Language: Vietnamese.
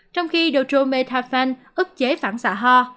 trong khi doutrometaphen ức chế phản xạ ho